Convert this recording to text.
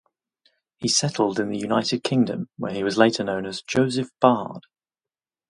He settled in the United Kingdom, where he was later known as "Joseph Bard".